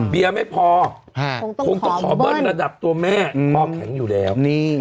เบียร์ไม่พอคงต้องขอเบิ้ลระดับตัวแม่พอแข็งอยู่แล้ว